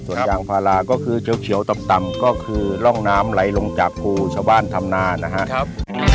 ส่วนยางพาราก็คือเขียวต่ำก็คือร่องน้ำไหลลงจากภูชาวบ้านธรรมนานะครับ